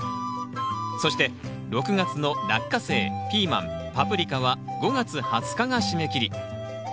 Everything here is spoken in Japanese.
そして６月のラッカセイピーマンパプリカは５月２０日が締め切り。